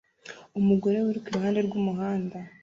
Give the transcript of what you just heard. Umugore wiruka iruhande rw'umuhanda